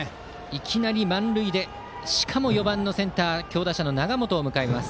いきなり満塁でしかも４番のセンター強打者の永本を迎えます。